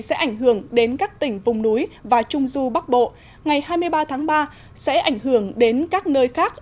sẽ ảnh hưởng đến các tỉnh vùng núi và trung du bắc bộ ngày hai mươi ba tháng ba sẽ ảnh hưởng đến các nơi khác